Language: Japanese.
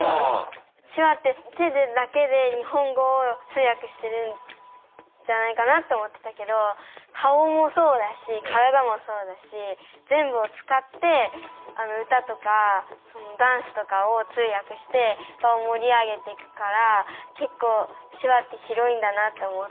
手話って手でだけで日本語を通訳してるんじゃないかなって思ってたけど顔もそうだし体もそうだし全部を使って歌とかダンスとかを通訳して場を盛り上げていくから結構手話って広いんだなって思って。